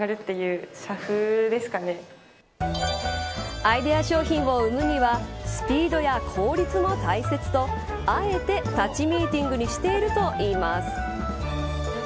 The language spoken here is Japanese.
アイデア商品を生むにはスピードや効率も大切とあえて立ちミーティングにしているといいます。